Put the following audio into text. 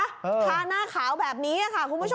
ทาหน้าขาวแบบนี้ค่ะคุณผู้ชม